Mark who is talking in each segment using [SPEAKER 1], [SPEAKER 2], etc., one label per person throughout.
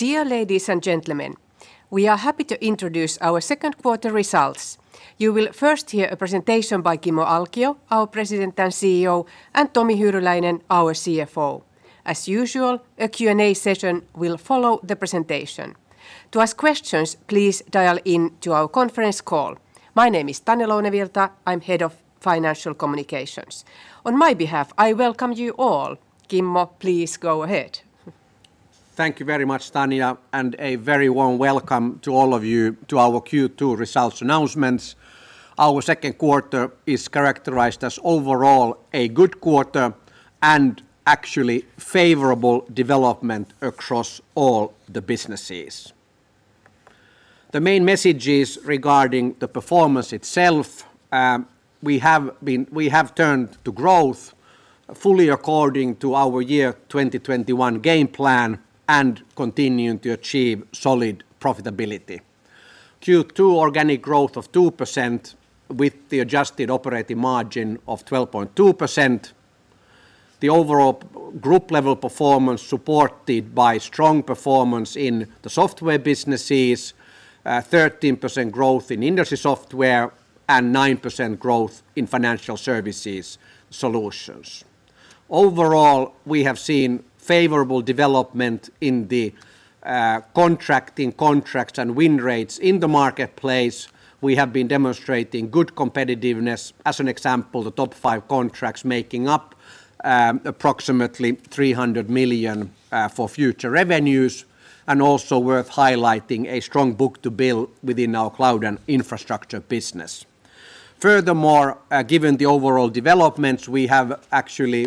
[SPEAKER 1] Dear ladies and gentlemen, we are happy to introduce Our Second Quarter Results. You will first hear a presentation by Kimmo Alkio, our President and CEO, and Tomi Hyryläinen, our CFO. As usual, a Q&A session will follow the presentation. To ask questions, please dial in to our conference call. My name is Tanja Lounevirta. I'm Head of Financial Communications. On my behalf, I welcome you all. Kimmo, please go ahead.
[SPEAKER 2] Thank you very much, Tanja, and a very warm welcome to all of you to our Q2 results announcements. Our second quarter is characterized as overall a good quarter and actually favorable development across all the businesses. The main messages regarding the performance itself, we have turned to growth fully according to our year 2021 game plan and continuing to achieve solid profitability. Q2 organic growth of 2% with the adjusted operating margin of 12.2%. The overall group-level performance supported by strong performance in the software businesses, 13% growth in Industry Software and 9% growth in Financial Services solutions. Overall, we have seen favorable development in the contracts and win rates in the marketplace. We have been demonstrating good competitiveness. As an example, the top five contracts making up approximately 300 million for future revenues, and also worth highlighting a strong book-to-bill within our cloud and infrastructure business. Furthermore, given the overall developments, we have actually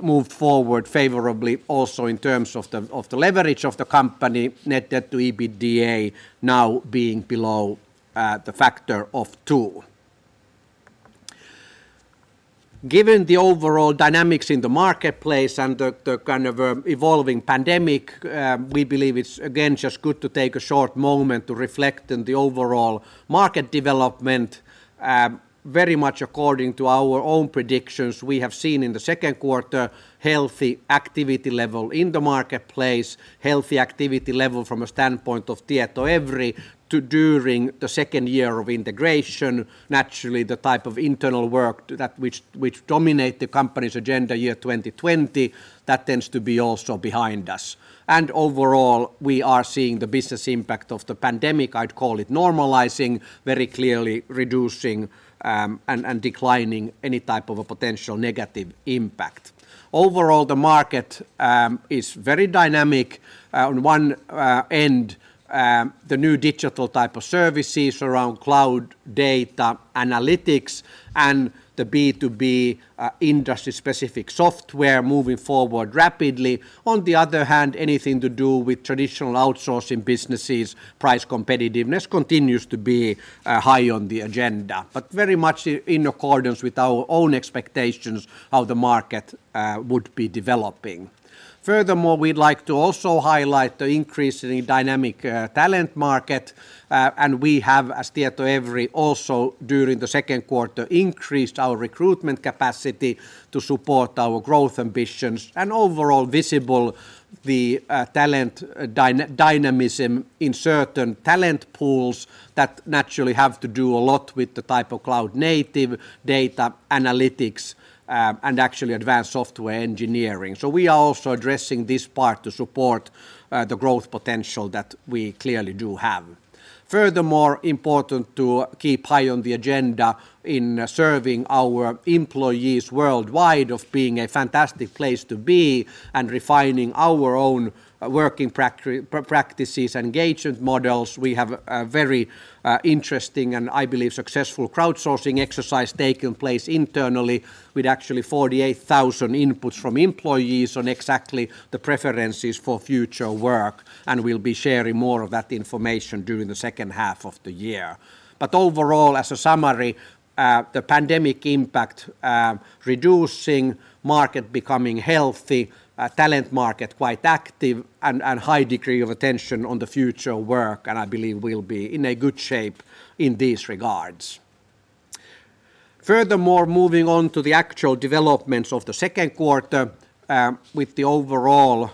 [SPEAKER 2] moved forward favorably also in terms of the leverage of the company, net debt to EBITDA now being below the factor of two. Given the overall dynamics in the marketplace and the kind of evolving pandemic, we believe it's again just good to take a short moment to reflect on the overall market development. Very much according to our own predictions, we have seen in the second quarter healthy activity level in the marketplace, healthy activity level from a standpoint of Tietoevry during the second year of integration. Naturally, the type of internal work that which dominate the company's agenda year 2020, that tends to be also behind us. Overall, we are seeing the business impact of the pandemic, I'd call it normalizing, very clearly reducing and declining any type of a potential negative impact. Overall, the market is very dynamic. On one end, the new digital type of services around cloud data analytics and the B2B industry-specific software moving forward rapidly. On the other hand, anything to do with traditional outsourcing businesses, price competitiveness continues to be high on the agenda. Very much in accordance with our own expectations how the market would be developing. Furthermore, we'd like to also highlight the increasingly dynamic talent market. We have, as Tietoevry, also during the second quarter increased our recruitment capacity to support our growth ambitions and overall visible the talent dynamism in certain talent pools that naturally have to do a lot with the type of cloud native data analytics and actually advanced software engineering. We are also addressing this part to support the growth potential that we clearly do have. Furthermore, important to keep high on the agenda in serving our employees worldwide of being a fantastic place to be and refining our own working practices and engagement models. We have a very interesting and, I believe, successful crowdsourcing exercise taking place internally with actually 48,000 inputs from employees on exactly the preferences for future work. We'll be sharing more of that information during the second half of the year. Overall, as a summary, the pandemic impact reducing market becoming healthy, talent market quite active, and high degree of attention on the future work. I believe we'll be in a good shape in these regards. Furthermore, moving on to the actual developments of the second quarter with the overall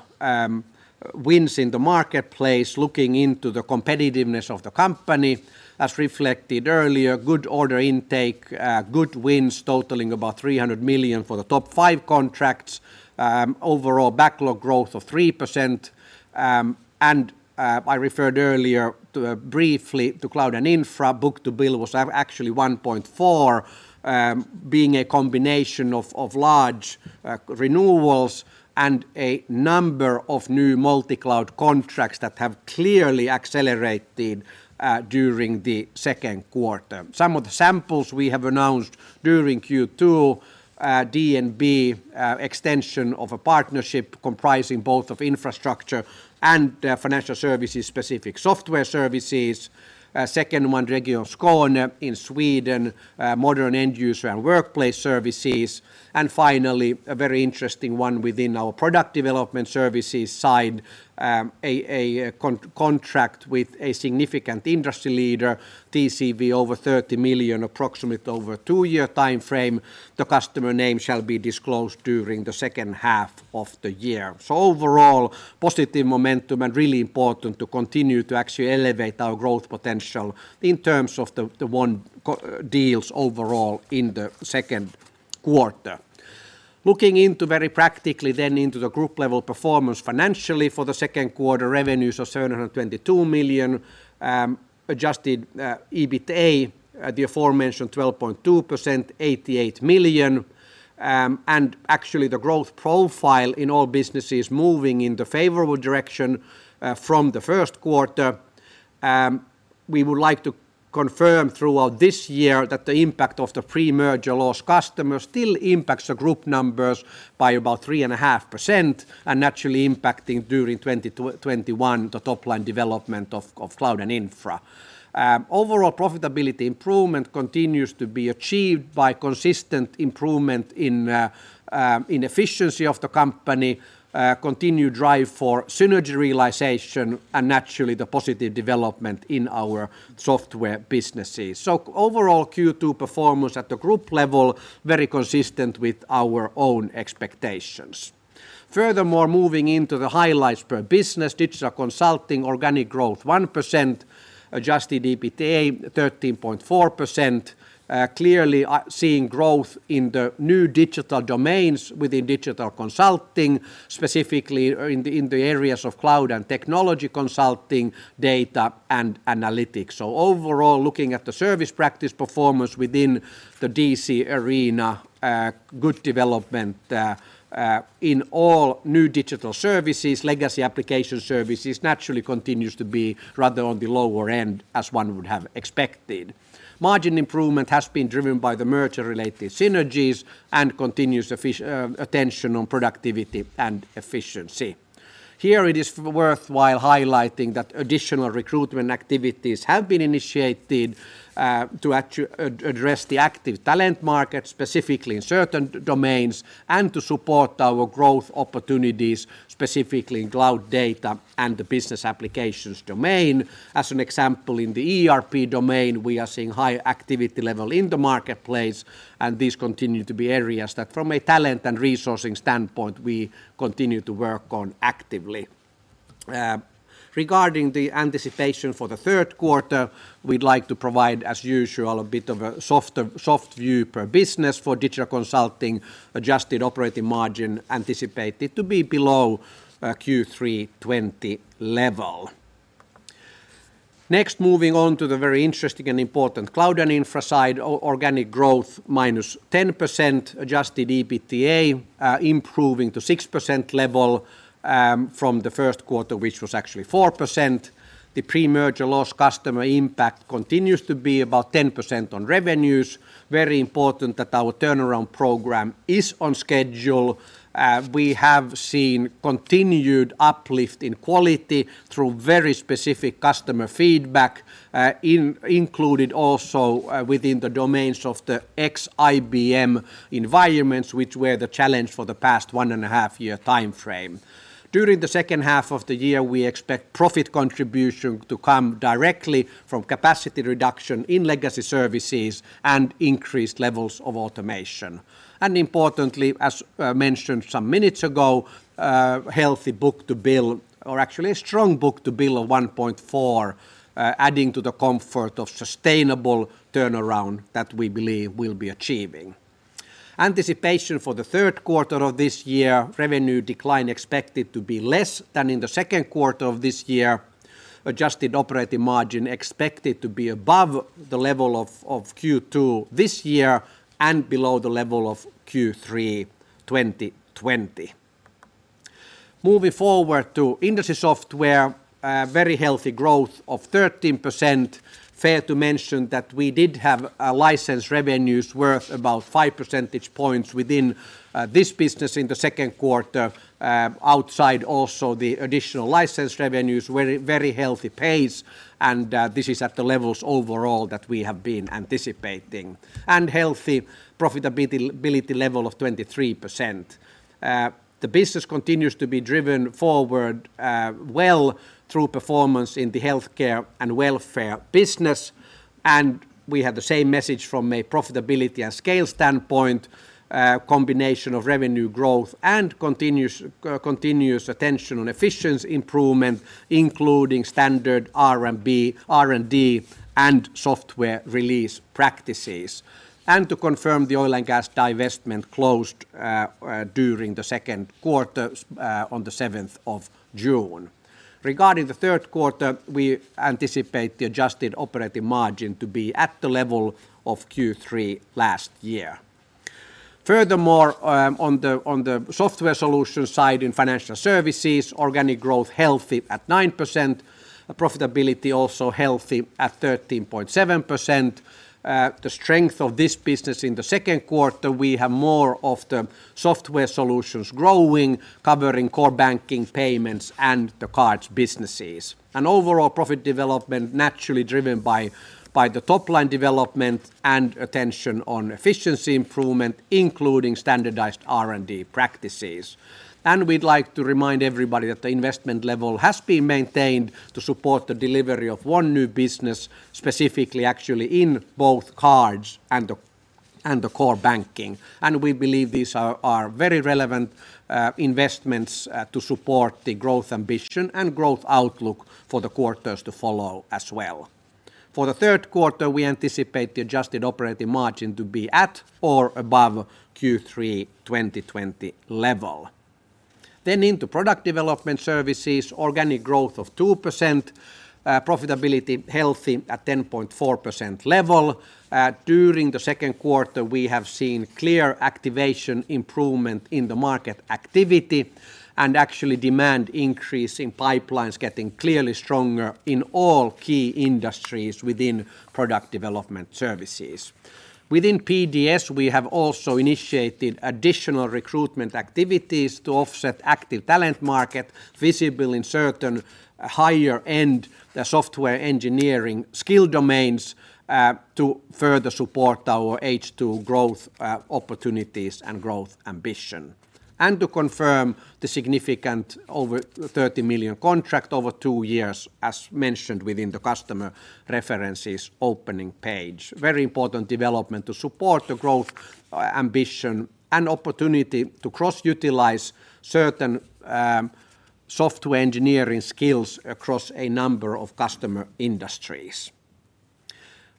[SPEAKER 2] wins in the marketplace, looking into the competitiveness of the company as reflected earlier, good order intake, good wins totaling about 300 million for the top five contracts. Overall backlog growth of 3%. I referred earlier briefly to cloud and infra book-to-bill was actually 1.4 being a combination of large renewals and a number of new multi-cloud contracts that have clearly accelerated during the second quarter. Some of the samples we have announced during Q2, DNB extension of a partnership comprising both of infrastructure and Financial Services-specific software services. Second one, Region Skåne in Sweden modern end user and workplace services. Finally, a very interesting one within our Product Development Services signed a contract with a significant industry leader TCV over 30 million approximately over two-year timeframe. The customer's name shall be disclosed during the second half of the year. Overall, positive momentum and really important to continue to actually elevate our growth potential in terms of the won deals overall in the second quarter. Looking into very practically then into the group level performance financially for the second quarter, revenues of 722 million, adjusted EBITDA, the aforementioned 12.2%, 88 million. Actually the growth profile in all businesses moving in the favorable direction from the first quarter. We would like to confirm throughout this year that the impact of the pre-merger lost customer still impacts the group numbers by about 3.5% and naturally impacting during 2021 the top-line development of cloud and infra. Overall profitability improvement continues to be achieved by consistent improvement in efficiency of the company, continued drive for synergy realization, and naturally the positive development in our software businesses. Overall Q2 performance at the group level, very consistent with our own expectations. Furthermore, moving into the highlights per business, Digital Consulting, organic growth 1%, adjusted EBITDA 13.4%. Clearly seeing growth in the new digital domains within Digital Consulting, specifically in the areas of cloud and technology consulting, data, and analytics. Overall, looking at the service practice performance within the DC arena, good development in all new digital services. Legacy application services naturally continues to be rather on the lower end as one would have expected. Margin improvement has been driven by the merger-related synergies and continuous attention on productivity and efficiency. Here it is worthwhile highlighting that additional recruitment activities have been initiated to address the active talent market, specifically in certain domains, and to support our growth opportunities, specifically in cloud data and the business applications domain. As an example, in the ERP domain, we are seeing high activity level in the marketplace, and these continue to be areas that from a talent and resourcing standpoint, we continue to work on actively. Regarding the anticipation for the third quarter, we'd like to provide, as usual, a bit of a soft view per business for Digital Consulting, adjusted operating margin anticipated to be below Q3 2020 level. Next, moving on to the very interesting and important cloud and infra side, organic growth -10%, adjusted EBITDA improving to 6% level from the first quarter, which was actually 4%. The pre-merger lost customer impact continues to be about 10% on revenues. Very important that our turnaround program is on schedule. We have seen continued uplift in quality through very specific customer feedback included also within the domains of the ex-IBM environments, which were the challenge for the past one and a half year timeframe. During the second half of the year, we expect profit contribution to come directly from capacity reduction in legacy services and increased levels of automation. Importantly, as mentioned some minutes ago, healthy book-to-bill or actually a strong book-to-bill of 1.4 adding to the comfort of sustainable turnaround that we believe we'll be achieving. Anticipation for the third quarter of this year, revenue decline expected to be less than in the second quarter of this year. Adjusted operating margin expected to be above the level of Q2 this year and below the level of Q3 2020. Moving forward to Industry Software, very healthy growth of 13%. Fair to mention that we did have license revenues worth about five percentage points within this business in the second quarter outside also the additional license revenues, very healthy pace. This is at the levels overall that we have been anticipating. Healthy profitability level of 23%. The business continues to be driven forward well through performance in the healthcare and welfare business. We have the same message from a profitability and scale standpoint combination of revenue growth and continuous attention on efficiency improvement, including standard R&D and software release practices. To confirm the oil and gas divestment closed during the second quarter on the June 7th. Regarding the third quarter, we anticipate the adjusted operating margin to be at the level of Q3 last year. Furthermore, on the software solution side in Financial Services, organic growth healthy at 9%, profitability also healthy at 13.7%. The strength of this business in the second quarter, we have more of the software solutions growing, covering core banking payments and the cards businesses. Overall profit development naturally driven by the top-line development and attention on efficiency improvement, including standardized R&D practices. We'd like to remind everybody that the investment level has been maintained to support the delivery of one new business, specifically actually in both cards and the core banking. We believe these are very relevant investments to support the growth ambition and growth outlook for the quarters to follow as well. For the third quarter, we anticipate the adjusted operating margin to be at or above Q3 2020 level. Into product development services, organic growth of 2%, profitability healthy at 10.4% level. During the second quarter, we have seen clear activation improvement in the market activity and actually demand increase in pipelines getting clearly stronger in all key industries within product development services. Within PDS, we have also initiated additional recruitment activities to offset active talent market visible in certain higher-end software engineering skill domains to further support our H2 growth opportunities and growth ambition. To confirm the significant over EUR 30 million contract over two years, as mentioned within the customer references opening page. Very important development to support the growth ambition and opportunity to cross-utilize certain software engineering skills across a number of customer industries.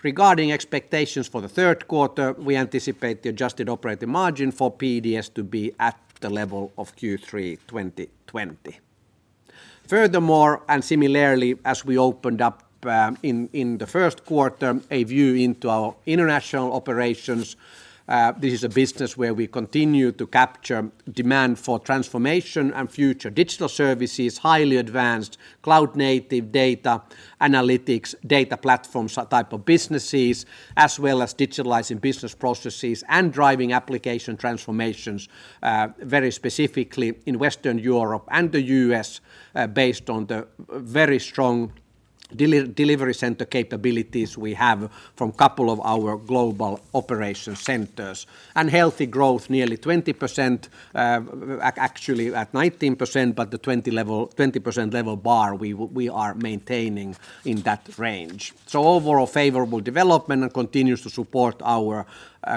[SPEAKER 2] Regarding expectations for the third quarter, we anticipate the adjusted operating margin for PDS to be at the level of Q3 2020. Furthermore, similarly, as we opened up in the first quarter a view into our international operations, this is a business where we continue to capture demand for transformation and future digital services, highly advanced cloud native data analytics, data platforms type of businesses, as well as digitalizing business processes and driving application transformations, very specifically in Western Europe and the U.S. based on the very strong delivery center capabilities we have from couple of our global operation centers. Healthy growth nearly 20%, actually at 19%, but the 20% level bar we are maintaining in that range. Overall favorable development and continues to support our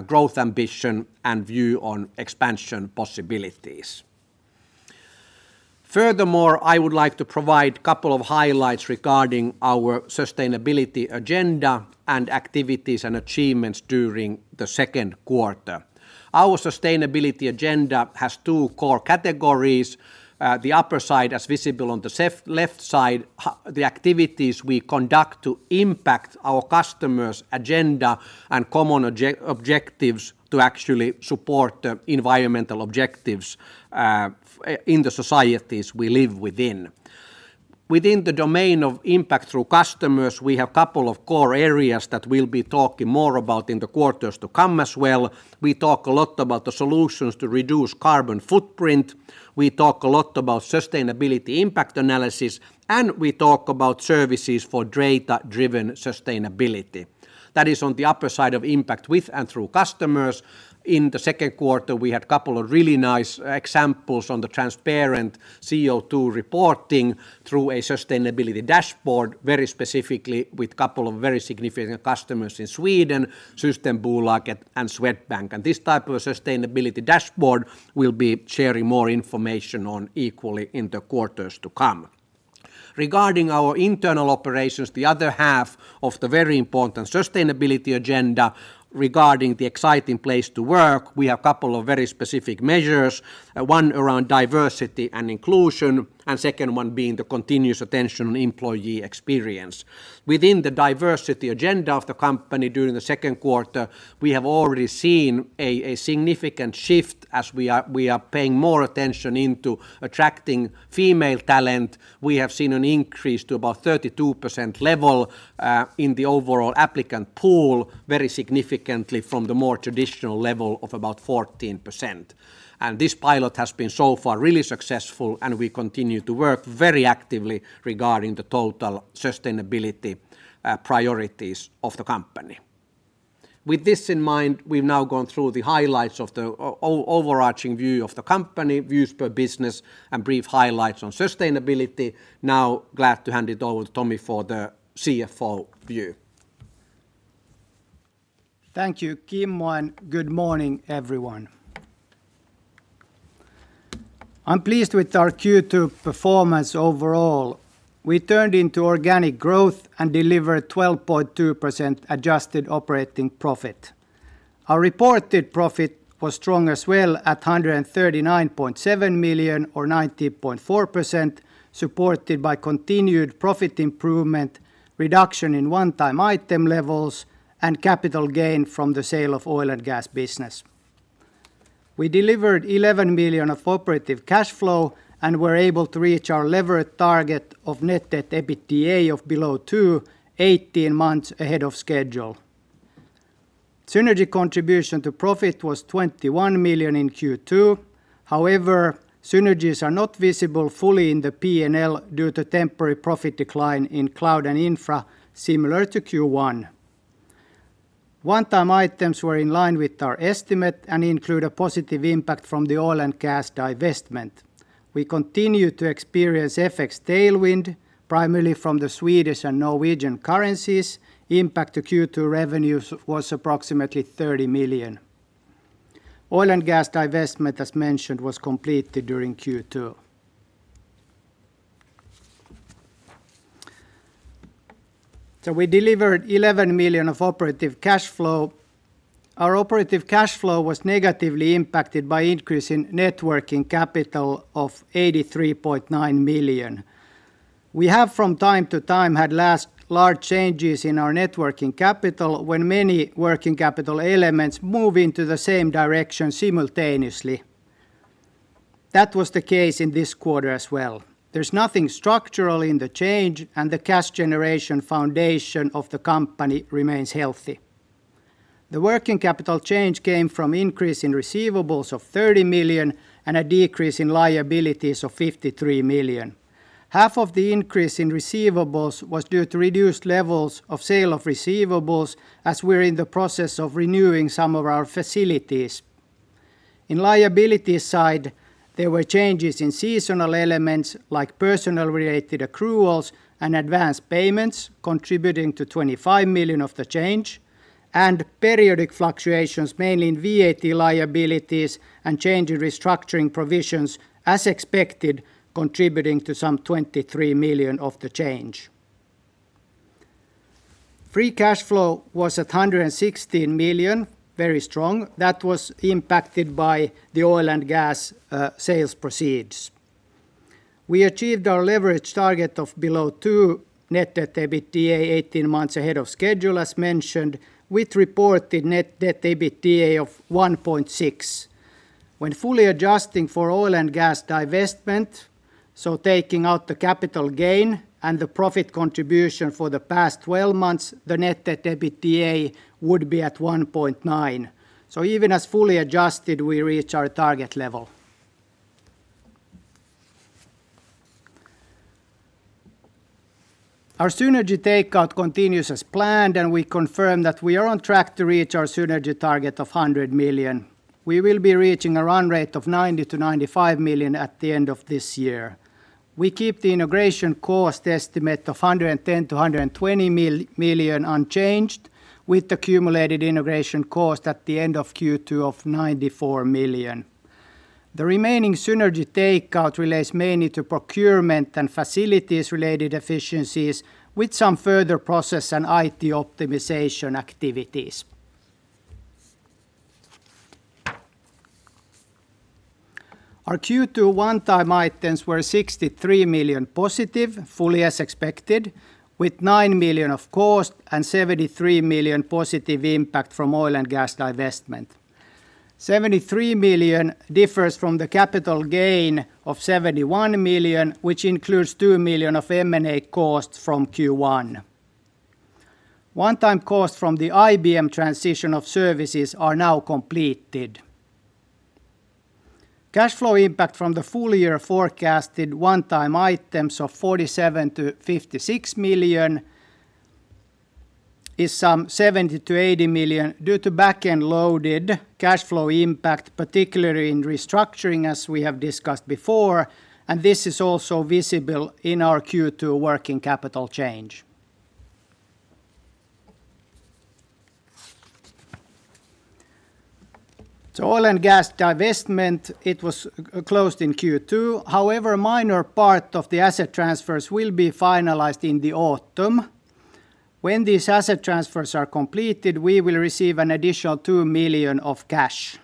[SPEAKER 2] growth ambition and view on expansion possibilities. Furthermore, I would like to provide couple of highlights regarding our sustainability agenda and activities and achievements during the second quarter. Our sustainability agenda has two core categories. The upper side, as visible on the left side, the activities we conduct to impact our customers' agenda and common objectives to actually support the environmental objectives in the societies we live within. Within the domain of impact through customers, we have a couple of core areas that we'll be talking more about in the quarters to come as well. We talk a lot about the solutions to reduce carbon footprint, we talk a lot about sustainability impact analysis, and we talk about services for data-driven sustainability. That is on the upper side of impact with and through customers. In the second quarter, we had a couple of really nice examples on the transparent CO2 reporting through a sustainability dashboard, very specifically with a couple of very significant customers in Sweden, Systembolaget and Swedbank. This type of sustainability dashboard we'll be sharing more information on equally in the quarters to come. Regarding our internal operations, the other half of the very important sustainability agenda regarding the exciting place to work, we have couple of very specific measures. One around diversity and inclusion, and second one being the continuous attention employee experience. Within the diversity agenda of the company during the second quarter, we have already seen a significant shift as we are paying more attention into attracting female talent. We have seen an increase to about 32% level in the overall applicant pool, very significantly from the more traditional level of about 14%. This pilot has been so far really successful, and we continue to work very actively regarding the total sustainability priorities of the company. With this in mind, we've now gone through the highlights of the overarching view of the company, views per business, and brief highlights on sustainability. Now glad to hand it over to Tomi for the CFO view.
[SPEAKER 3] Thank you, Kimmo, and good morning, everyone. I'm pleased with our Q2 performance overall. We turned into organic growth and delivered 12.2% adjusted operating profit. Our reported profit was strong as well at 139.7 million or 19.4%, supported by continued profit improvement, reduction in one-time item levels, and capital gain from the sale of oil and gas business. We delivered 11 million of operative cash flow and were able to reach our leverage target of net debt EBITDA of below two 18 months ahead of schedule. Synergy contribution to profit was 21 million in Q2. Synergies are not visible fully in the P&L due to temporary profit decline in cloud and infra similar to Q1. One-time items were in line with our estimate and include a positive impact from the oil and gas divestment. We continue to experience FX tailwind primarily from the Swedish and Norwegian currencies. Impact to Q2 revenues was approximately 30 million. Oil and gas divestment, as mentioned, was completed during Q2. We delivered 11 million of operative cash flow. Our operative cash flow was negatively impacted by increase in net working capital of 83.9 million. We have, from time to time, had large changes in our net working capital when many working capital elements move into the same direction simultaneously. That was the case in this quarter as well. There's nothing structural in the change, and the cash generation foundation of the company remains healthy. The working capital change came from increase in receivables of 30 million and a decrease in liabilities of 53 million. Half of the increase in receivables was due to reduced levels of sale of receivables as we're in the process of renewing some of our facilities. In liability side, there were changes in seasonal elements like personal related accruals and advanced payments contributing to 25 million of the change, and periodic fluctuations mainly in VAT liabilities and change in restructuring provisions as expected contributing to some 23 million of the change. Free cash flow was at 116 million, very strong. That was impacted by the oil and gas sales proceeds. We achieved our leverage target of below two net debt EBITDA 18 months ahead of schedule as mentioned, with reported net debt EBITDA of 1.6. When fully adjusting for oil and gas divestment, so taking out the capital gain and the profit contribution for the past 12 months, the net debt EBITDA would be at 1.9. Even as fully adjusted, we reach our target level. Our synergy takeout continues as planned. We confirm that we are on track to reach our synergy target of 100 million. We will be reaching a run rate of 90 million-95 million at the end of this year. We keep the integration cost estimate of 110 million-120 million unchanged, with accumulated integration cost at the end of Q2 of 94 million. The remaining synergy takeout relates mainly to procurement and facilities-related efficiencies, with some further process and IT optimization activities. Our Q2 1x items were a 63 million positive, fully as expected, with 9 million of cost and 73 million positive impact from oil and gas divestment. 73 million differs from the capital gain of 71 million, which includes 2 million of M&A costs from Q1. One-time costs from the IBM transition of services are now completed. Cash flow impact from the full-year forecasted 1x items of 47 million-56 million is some 70 million-80 million due to back-end loaded cash flow impact, particularly in restructuring, as we have discussed before, and this is also visible in our Q2 working capital change. Oil and gas divestment, it was closed in Q2. However, a minor part of the asset transfers will be finalized in the autumn. When these asset transfers are completed, we will receive an additional 2 million of cash.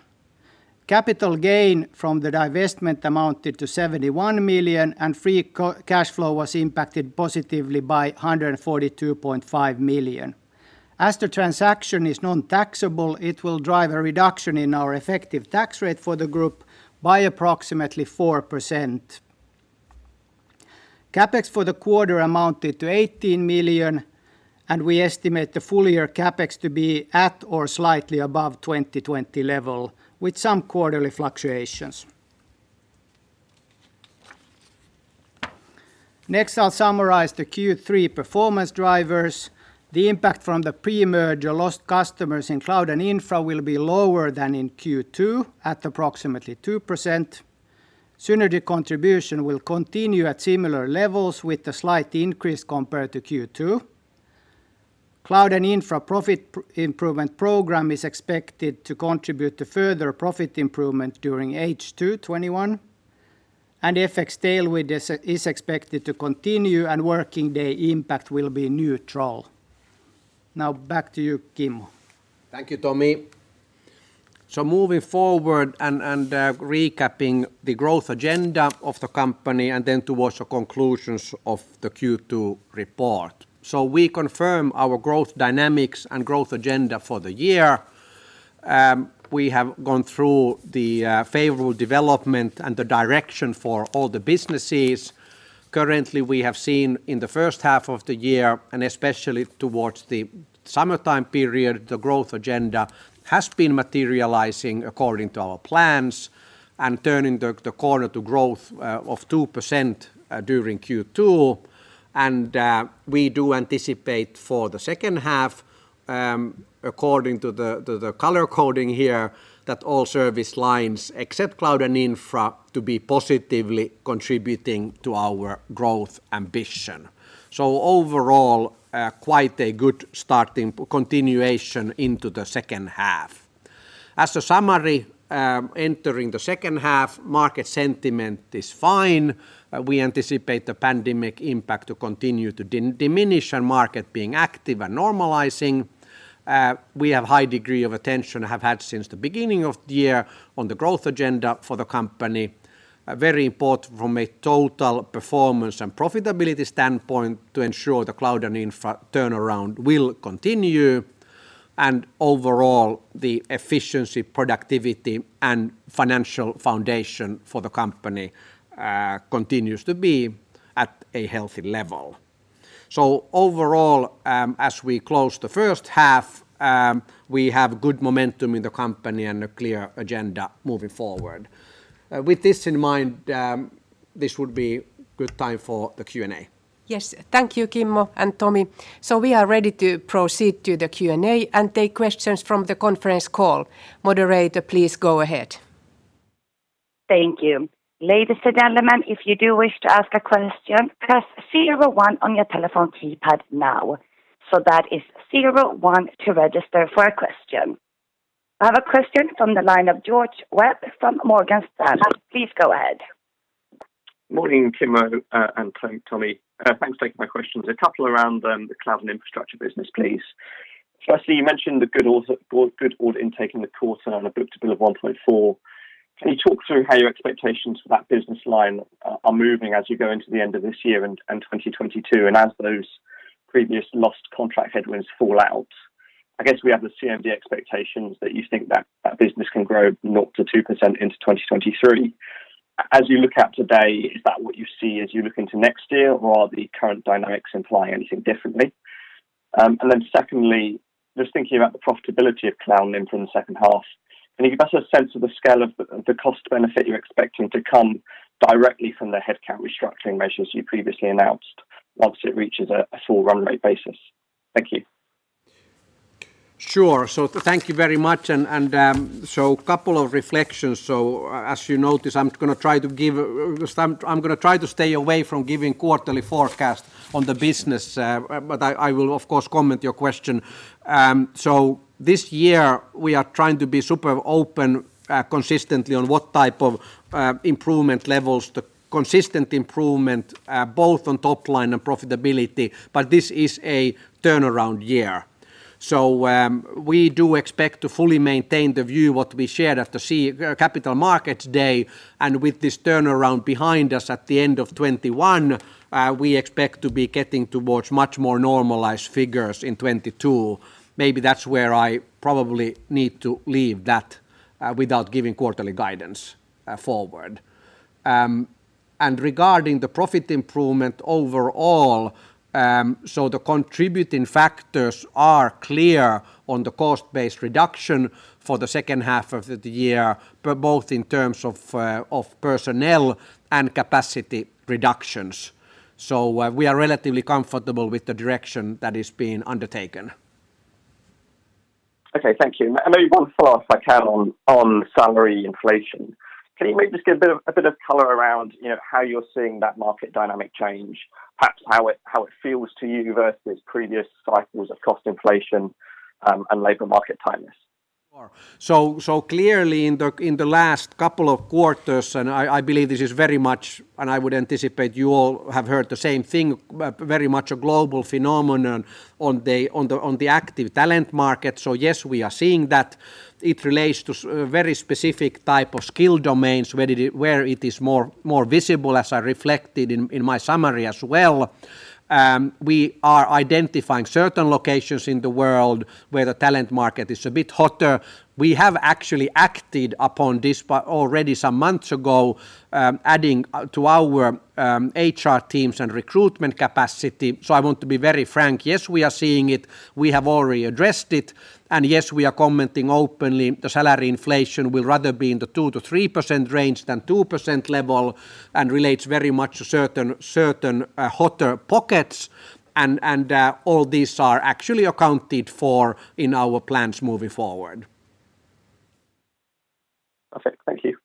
[SPEAKER 3] Capital gain from the divestment amounted to 71 million, and free cash flow was impacted positively by 142.5 million. As the transaction is non-taxable, it will drive a reduction in our effective tax rate for the group by approximately 4%. CapEx for the quarter amounted to 18 million, and we estimate the full-year CapEx to be at or slightly above 2020 level, with some quarterly fluctuations. I'll summarize the Q3 performance drivers. The impact from the pre-merger lost customers in cloud and infra will be lower than in Q2 at approximately 2%. Synergy contribution will continue at similar levels, with a slight increase compared to Q2. cloud and infra profit improvement program is expected to contribute to further profit improvement during H2 2021, and FX tailwind is expected to continue and working day impact will be neutral. Back to you, Kim.
[SPEAKER 2] Thank you, Tomi. Moving forward and recapping the growth agenda of the company and then towards the conclusions of the Q2 report. We confirm our growth dynamics and growth agenda for the year. We have gone through the favorable development and the direction for all the businesses. Currently, we have seen in the first half of the year, and especially towards the summertime period, the growth agenda has been materializing according to our plans and turning the corner to growth of 2% during Q2. We do anticipate for the second half, according to the color coding here, that all service lines except cloud and infra to be positively contributing to our growth ambition. Overall, quite a good continuation into the second half. As a summary, entering the second half, market sentiment is fine. We anticipate the pandemic impact to continue to diminish and market being active and normalizing. We have high degree of attention, have had since the beginning of the year on the growth agenda for the company. Very important from a total performance and profitability standpoint to ensure the cloud and infra turnaround will continue. Overall, the efficiency, productivity, and financial foundation for the company continues to be at a healthy level. Overall, as we close the first half, we have good momentum in the company and a clear agenda moving forward. With this in mind, this would be good time for the Q&A.
[SPEAKER 1] Yes. Thank you, Kimmo and Tomi. We are ready to proceed to the Q&A and take questions from the conference call. Moderator, please go ahead.
[SPEAKER 4] Thank you. Ladies and gentlemen, if you do wish to ask a question, press zero, one on your telephone keypad now. That is zero, one to register for a question. I have a question from the line of George Webb from Morgan Stanley. Please go ahead.
[SPEAKER 5] Morning, Kimmo and Tomi. Thanks for taking my questions. A couple around the cloud and infrastructure business, please. You mentioned the good order intake in the quarter on a book-to-bill of 1.4. Can you talk through how your expectations for that business line are moving as you go into the end of this year and 2022 and as those previous lost contract headwinds fall out? I guess we have the CMD expectations that you think that that business can grow 0%-2% into 2023. As you look at today, is that what you see as you look into next year or are the current dynamics implying anything differently? Secondly, just thinking about the profitability of cloud and infra in the second half. Can you give us a sense of the scale of the cost benefit you're expecting to come directly from the headcount restructuring measures you previously announced once it reaches a full run rate basis? Thank you.
[SPEAKER 2] Sure. Thank you very much. Couple of reflections. As you notice, I'm going to try to stay away from giving quarterly forecast on the business, but I will of course comment your question. This year we are trying to be super open consistently on what type of improvement levels, the consistent improvement both on top line and profitability, but this is a turnaround year. We do expect to fully maintain the view what we shared at the Capital Markets Day. With this turnaround behind us at the end of 2021, we expect to be getting towards much more normalized figures in 2022. Maybe that's where I probably need to leave that without giving quarterly guidance forward. Regarding the profit improvement overall, the contributing factors are clear on the cost-based reduction for the second half of the year, both in terms of personnel and capacity reductions. We are relatively comfortable with the direction that is being undertaken.
[SPEAKER 5] Okay, thank you. Maybe [one last I can] on salary inflation. Can you maybe just give a bit of color around how you're seeing that market dynamic change, perhaps how it feels to you versus previous cycles of cost inflation, and labor market tightness?
[SPEAKER 2] Sure. Clearly in the last couple of quarters, and I believe this is very much, and I would anticipate you all have heard the same thing, very much a global phenomenon on the active talent market. Yes, we are seeing that it relates to very specific type of skill domains where it is more visible, as I reflected in my summary as well. We are identifying certain locations in the world where the talent market is a bit hotter. We have actually acted upon this part already some months ago, adding to our HR teams and recruitment capacity. I want to be very frank. Yes, we are seeing it. We have already addressed it. Yes, we are commenting openly. The salary inflation will rather be in the 2%-3% range than 2% level and relates very much to certain hotter pockets and all these are actually accounted for in our plans moving forward.
[SPEAKER 5] Perfect. Thank you.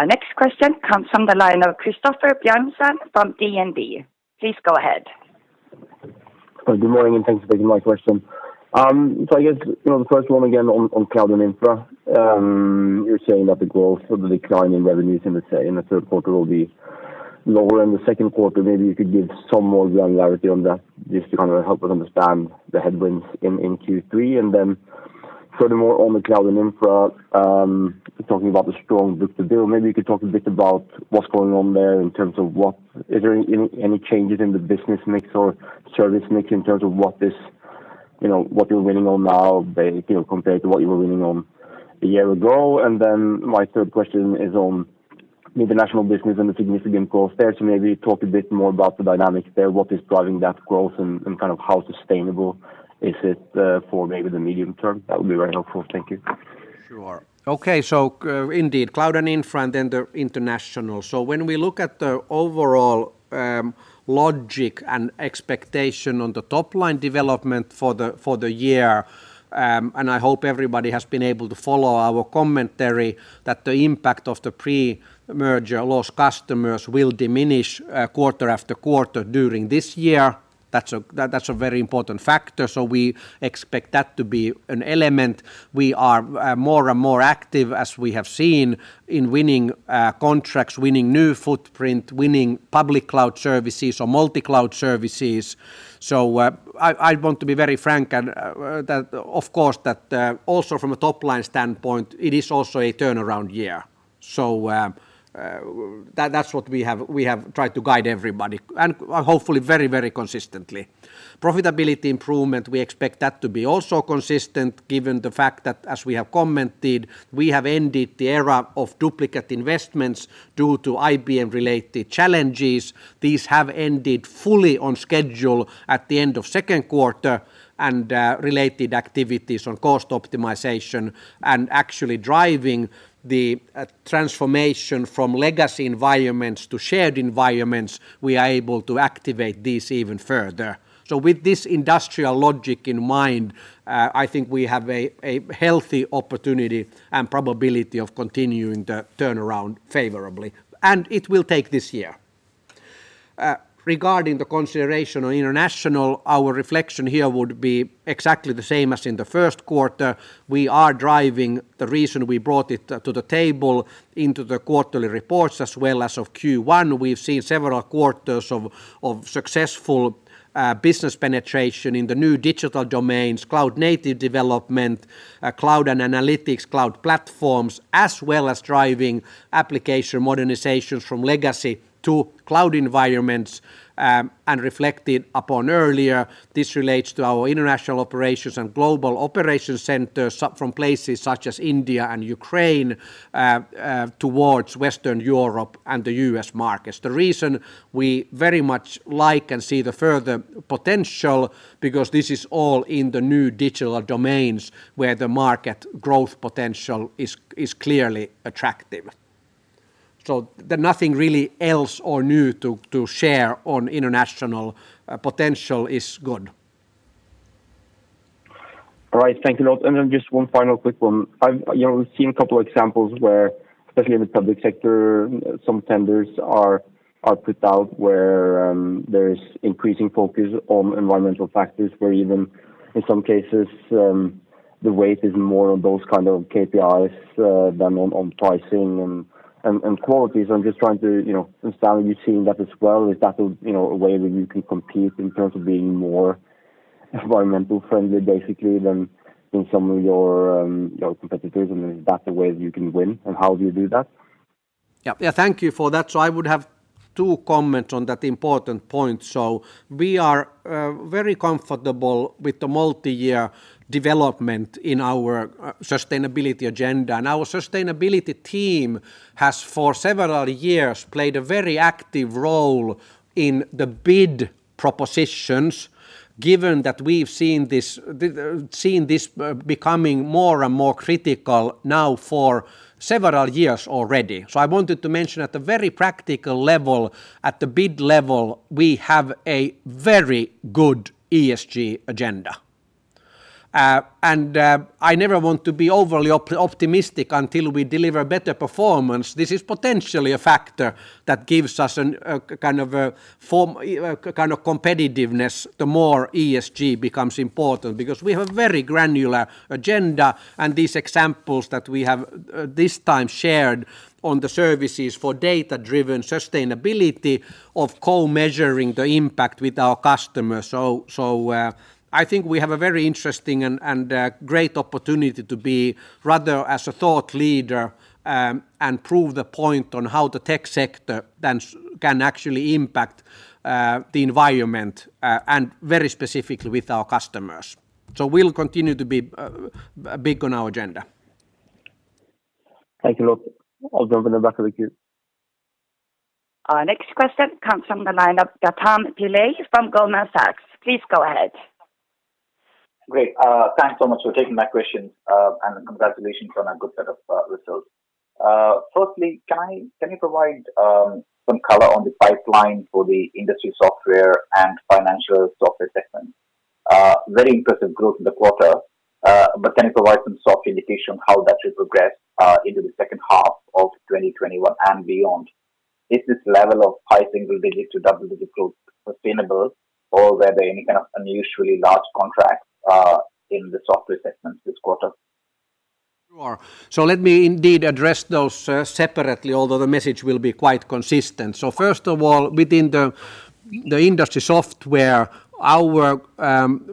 [SPEAKER 4] Our next question comes from the line of Christoffer Wang Bjørnsen from DNB. Please go ahead.
[SPEAKER 6] Good morning, thanks for taking my question. I guess, the first one again on cloud and infra. You're saying that the growth or the decline in revenues in the third quarter will be lower than the second quarter. Maybe you could give some more granularity on that just to kind of help us understand the headwinds in Q3. Furthermore on the cloud and infra, talking about the strong book-to-bill, maybe you could talk a bit about what's going on there in terms of is there any changes in the business mix or service mix in terms of what you're winning on now compared to what you were winning on a year ago? My third question is on the international business and the significant growth there. Maybe talk a bit more about the dynamics there. What is driving that growth and kind of how sustainable is it for maybe the medium term? That would be very helpful. Thank you.
[SPEAKER 2] Sure. Okay. Indeed, cloud and infra and then the international. When we look at the overall logic and expectation on the top-line development for the year, and I hope everybody has been able to follow our commentary that the impact of the pre-merger lost customers will diminish quarter after quarter during this year. That's a very important factor. We expect that to be an element. We are more and more active, as we have seen, in winning contracts, winning new footprint, winning public cloud services or multi-cloud services. I want to be very frank and, of course, that also from a top-line standpoint, it is also a turnaround year. That's what we have tried to guide everybody, and hopefully very consistently. Profitability improvement, we expect that to be also consistent given the fact that, as we have commented, we have ended the era of duplicate investments due to IBM-related challenges. These have ended fully on schedule at the end of second quarter and related activities on cost optimization and actually driving the transformation from legacy environments to shared environments, we are able to activate this even further. With this industrial logic in mind, I think we have a healthy opportunity and probability of continuing the turnaround favorably. It will take this year. Regarding the consideration on international, our reflection here would be exactly the same as in the first quarter. We are driving the reason we brought it to the table into the quarterly reports as well as of Q1. We've seen several quarters of successful business penetration in the new digital domains, cloud native development, cloud and analytics cloud platforms, as well as driving application modernizations from legacy to cloud environments, and reflected upon earlier. This relates to our international operations and global operations centers from places such as India and Ukraine towards Western Europe and the U.S. markets. The reason we very much like and see the further potential, because this is all in the new digital domains where the market growth potential is clearly attractive. Nothing really else or new to share on international potential is good.
[SPEAKER 6] All right. Thank you. Just one final quick one. We've seen a couple of examples where, especially in the public sector, some tenders are put out where there is increasing focus on environmental factors, where even in some cases, the weight is more on those kind of KPIs than on pricing and qualities. I'm just trying to understand, are you seeing that as well? Is that a way where you can compete in terms of being more environmentally friendly, basically, than some of your competitors? Is that the way you can win? How do you do that?
[SPEAKER 2] Yeah. Thank you for that. I would have two comments on that important point. We are very comfortable with the multi-year development in our sustainability agenda. Our sustainability team has for several years played a very active role in the bid propositions given that we've seen this becoming more and more critical now for several years already. I wanted to mention at a very practical level, at the bid level, we have a very good ESG agenda. I never want to be overly optimistic until we deliver better performance. This is potentially a factor that gives us a kind of competitiveness the more ESG becomes important because we have very granular agenda and these examples that we have this time shared on the services for data-driven sustainability of co-measuring the impact with our customers. I think we have a very interesting and great opportunity to be rather as a thought leader and prove the point on how the tech sector can actually impact the environment and very specifically with our customers. It will continue to be big on our agenda.
[SPEAKER 6] Thank you. I'll jump in the back of the queue.
[SPEAKER 4] Our next question comes from the line of Gautam Pillai from Goldman Sachs. Please go ahead.
[SPEAKER 7] Great. Thanks so much for taking my question and congratulations on a good set of results. Firstly, can you provide some color on the pipeline for the Industry Software and Financial Services segment? Very impressive growth in the quarter but can you provide some soft indication how that should progress into the second half of 2021 and beyond? Is this [level of pricing will be] double-digit growth sustainable or were there any kind of unusually large contracts in the software segment this quarter?
[SPEAKER 2] Sure. Let me indeed address those separately although the message will be quite consistent. First of all, within the Industry Software, our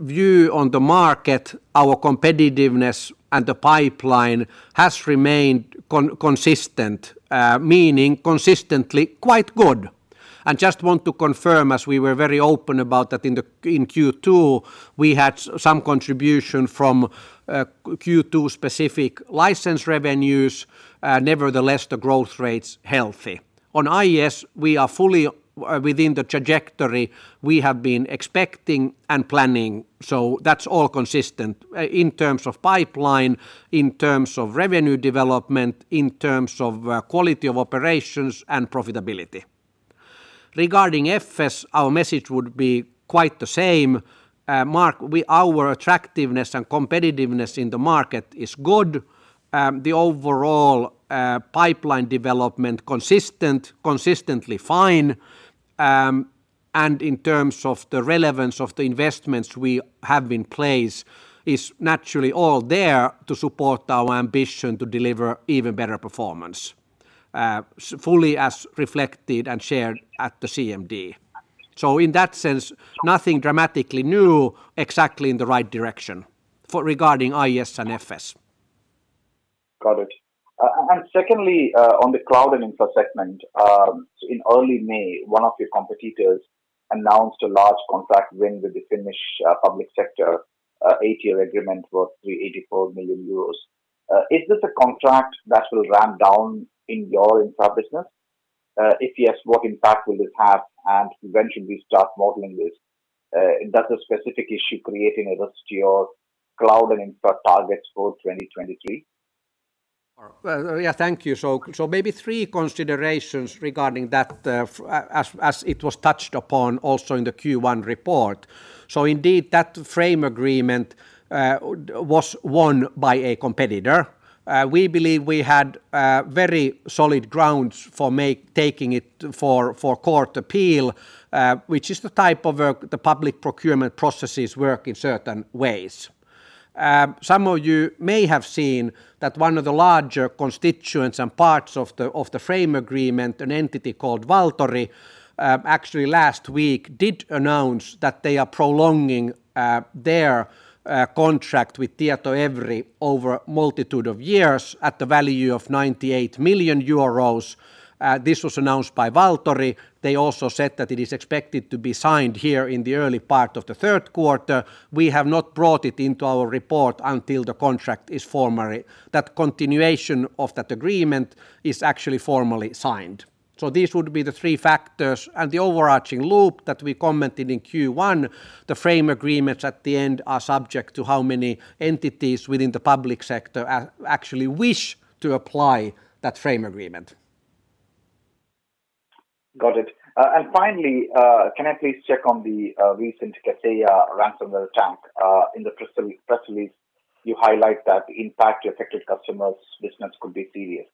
[SPEAKER 2] view on the market, our competitiveness and the pipeline has remained consistent, meaning consistently quite good. Just want to confirm as we were very open about that in Q2, we had some contribution from Q2 specific license revenues. Nevertheless, the growth rates healthy. On IS, we are fully within the trajectory we have been expecting and planning. That's all consistent in terms of pipeline, in terms of revenue development, in terms of quality of operations and profitability. Regarding FS, our message would be quite the same. Our attractiveness and competitiveness in the market is good. The overall pipeline development consistently fine. In terms of the relevance of the investments we have in place, is naturally all there to support our ambition to deliver even better performance, fully as reflected and shared at the CMD. In that sense, nothing dramatically new, exactly in the right direction regarding IS and FS.
[SPEAKER 7] Got it. Secondly, on the cloud and infra segment. In early May, one of your competitors announced a large contract win with the Finnish public sector, eight-year agreement worth 384 million euros. Is this a contract that will ramp down your infra business? If yes, what impact will this have, when should we start modeling this? Does this specific issue create any risk to your cloud and infra targets for 2023?
[SPEAKER 2] Yeah. Thank you. Maybe three considerations regarding that as it was touched upon also in the Q1 report. Indeed, that frame agreement was won by a competitor. We believe we had very solid grounds for taking it for court appeal, which is the type of the public procurement processes work in certain ways. Some of you may have seen that one of the larger constituents and parts of the frame agreement, an entity called Valtori, actually last week did announce that they are prolonging their contract with Tietoevry over multitude of years at the value of 98 million euros. This was announced by Valtori. They also said that it is expected to be signed here in the early part of the third quarter. We have not brought it into our report until that continuation of that agreement is actually formally signed. These would be the three factors and the overarching loop that we commented in Q1. The frame agreements at the end are subject to how many entities within the public sector actually wish to apply that frame agreement.
[SPEAKER 7] Got it. Finally, can I please check on the recent Kaseya ransomware attack? In the press release, you highlight that the impact to affected customers' business could be serious.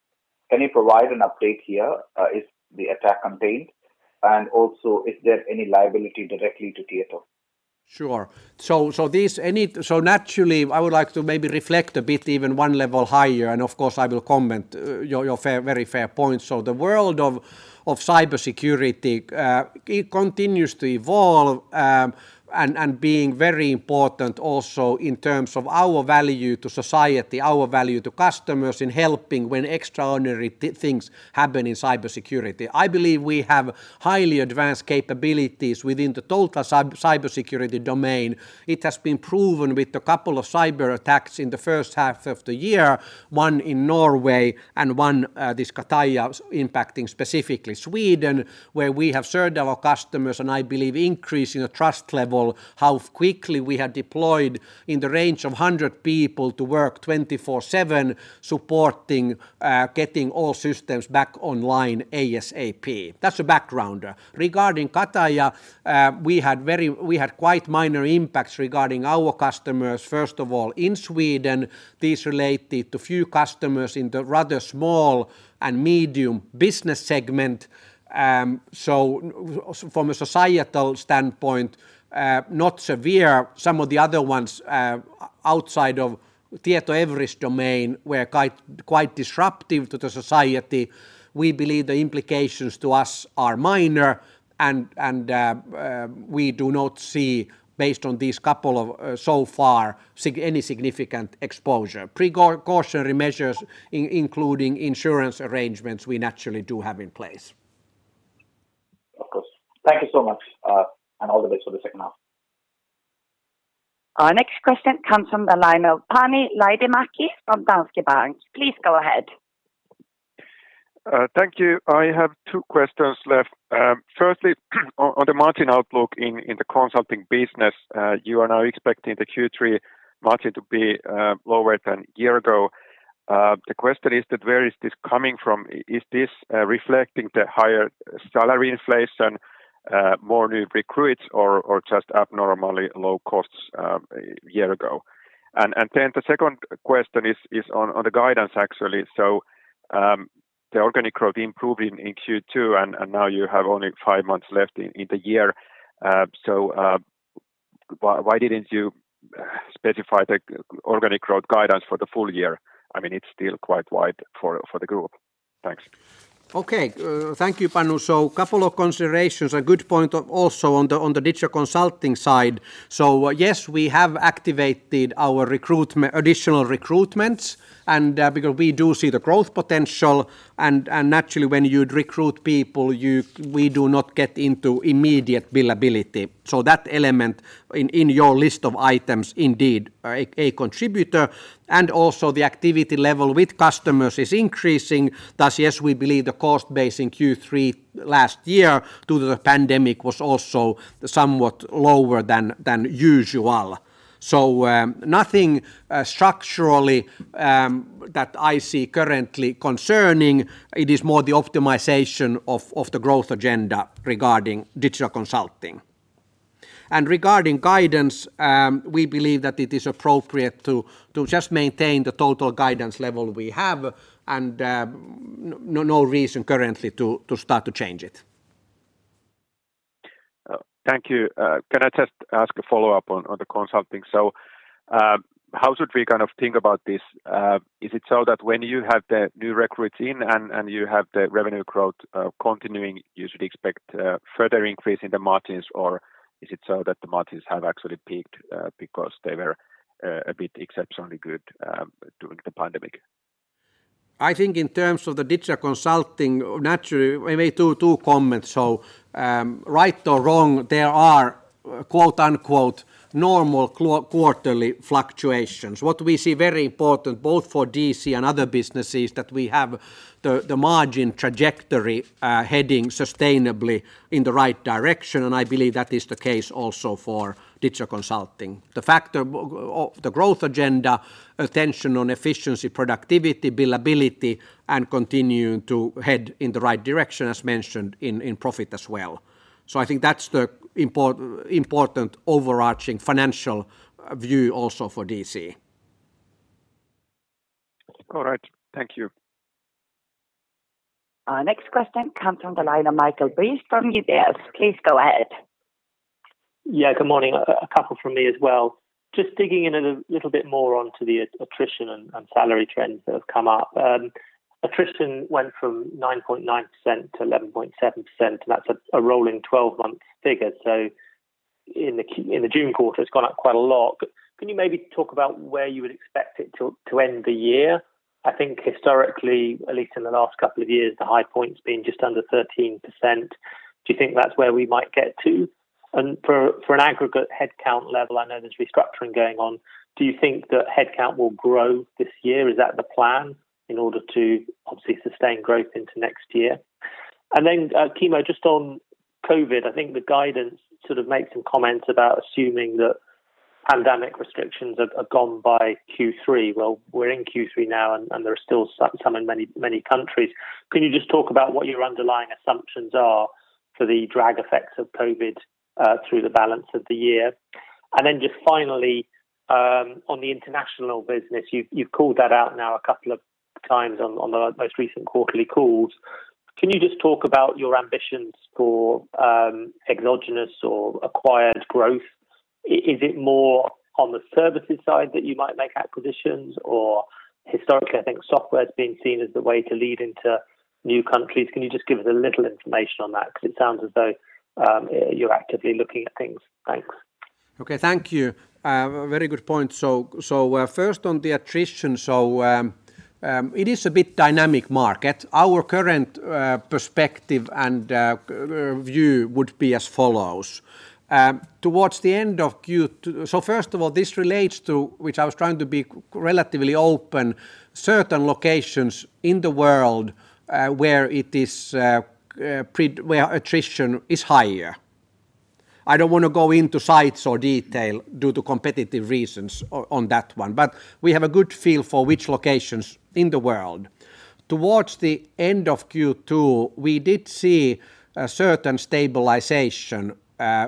[SPEAKER 7] Can you provide an update here? Is the attack contained? Also, is there any liability directly to Tieto?
[SPEAKER 2] Sure. Naturally, I would like to maybe reflect a bit even one level higher, and of course I will comment your very fair point. The world of cybersecurity continues to evolve and being very important also in terms of our value to society, our value to customers in helping when extraordinary things happen in cybersecurity. I believe we have highly advanced capabilities within the total cybersecurity domain. It has been proven with a couple of cyber-attacks in the first half of the year, one in Norway and one, this Kaseya, impacting specifically Sweden, where we have served our customers and I believe increasing the trust level, how quickly we had deployed in the range of 100 people to work 24/7 supporting getting all systems back online ASAP. That's a backgrounder. Regarding Kaseya, we had quite minor impacts regarding our customers. In Sweden, this related to few customers in the rather small and medium business segment. From a societal standpoint, not severe. Some of the other ones outside of Tietoevry's domain were quite disruptive to the society. We believe the implications to us are minor, and we do not see, based on these couple so far, any significant exposure. Precautionary measures including insurance arrangements we naturally do have in place.
[SPEAKER 7] Of course. Thank you so much, and all the best for the second half.
[SPEAKER 4] Our next question comes from the line of Panu Laitinmäki from Danske Bank. Please go ahead.
[SPEAKER 8] Thank you. I have two questions left. Firstly, on the margin outlook in the consulting business. You are now expecting the Q3 margin to be lower than a year ago. The question is that where is this coming from? Is this reflecting the higher salary inflation, more new recruits, or just abnormally low costs a year ago? The second question is on the guidance, actually. The organic growth improving in Q2, and now you have only five months left in the year. Why didn't you specify the organic growth guidance for the full year? It's still quite wide for the group. Thanks.
[SPEAKER 2] Okay. Thank you, Panu. A couple of considerations. A good point also on the Digital Consulting side. Yes, we have activated our additional recruitments and because we do see the growth potential, and naturally when you'd recruit people, we do not get into immediate billability. That element in your list of items indeed are a contributor. Also the activity level with customers is increasing, thus yes, we believe the cost base in Q3 last year due to the pandemic was also somewhat lower than usual. Nothing structurally that I see currently concerning. It is more the optimization of the growth agenda regarding Digital Consulting. Regarding guidance, we believe that it is appropriate to just maintain the total guidance level we have and no reason currently to start to change it.
[SPEAKER 8] Thank you. Can I just ask a follow-up on the Digital Consulting? How should we think about this? Is it so that when you have the new recruits in and you have the revenue growth continuing, you should expect further increase in the margins, or is it so that the margins have actually peaked because they were a bit exceptionally good during the pandemic?
[SPEAKER 2] I think in terms of the Digital Consulting, naturally, I may do two comments. Right or wrong, there are normal quarterly fluctuations. What we see very important both for DC and other businesses, that we have the margin trajectory heading sustainably in the right direction, and I believe that is the case also for Digital Consulting. The growth agenda, attention on efficiency, productivity, billability, and continuing to head in the right direction, as mentioned in profit as well. I think that's the important overarching financial view also for DC.
[SPEAKER 8] All right. Thank you.
[SPEAKER 4] Our next question comes from the line of Michael Briest from UBS. Please go ahead.
[SPEAKER 9] Yeah, good morning. A couple from me as well. Just digging in a little bit more onto the attrition and salary trends that have come up. Attrition went from 9.9%-11.7%, and that's a rolling 12-month figure. In the June quarter, it's gone up quite a lot. Can you maybe talk about where you would expect it to end the year? I think historically, at least in the last couple of years, the high point's been just under 13%. Do you think that's where we might get to? For an aggregate headcount level, I know there's restructuring going on. Do you think that headcount will grow this year? Is that the plan in order to obviously sustain growth into next year? Then, Kimmo, just on COVID. I think the guidance sort of makes some comments about assuming that pandemic restrictions have gone by Q3. Well, we're in Q3 now, and there are still some in many countries. Can you just talk about what your underlying assumptions are for the drag effects of COVID through the balance of the year? Then just finally, on the international business, you've called that out now 2x on the most recent quarterly calls. Can you just talk about your ambitions for exogenous or acquired growth? Is it more on the services side that you might make acquisitions or historically, I think software's been seen as the way to lead into new countries. Can you just give us a little information on that? Because it sounds as though you're actively looking at things. Thanks.
[SPEAKER 2] Okay. Thank you. Very good point. First on the attrition. It is a bit dynamic market. Our current perspective and view would be as follows. First of all, this relates to which I was trying to be relatively open certain locations in the world where attrition is higher. I don't want to go into sites or detail due to competitive reasons on that one, but we have a good feel for which locations in the world. Towards the end of Q2, we did see a certain stabilization,